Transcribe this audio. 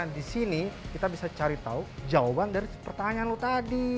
di sini kita bisa cari tahu jawaban dari pertanyaan lu tadi